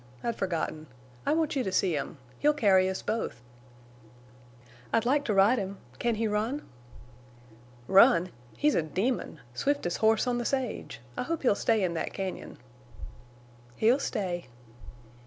I'd forgotten. I want you to see him. He'll carry us both." "I'd like to ride him. Can he run?" "Run? He's a demon. Swiftest horse on the sage! I hope he'll stay in that cañon." "He'll stay."